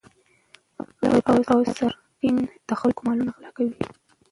غله او سارقین د خلکو مالونه غلا کوي.